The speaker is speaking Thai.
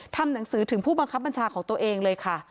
ทำหนังสือถึงผู้บังคับบัญชาของตัวเองเลยค่ะ